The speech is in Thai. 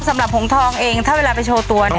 สำหรับผมฮองทองเองถ้าเวลาไปโชว์ตัวเนี้ย